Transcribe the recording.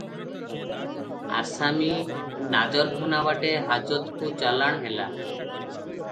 ଆସାମୀ ନାଜରଖାନା ବାଟେ ହାଜତକୁ ଚାଲାଣ ହେଲା ।